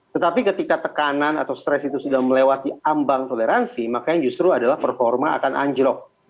tetapi ketika tekanan atau stres itu sudah melewati ambang toleransi makanya justru adalah performa akan anjlok